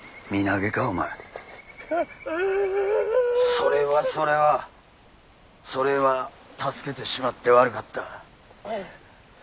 それはそれはそれは助けてしまって悪かった。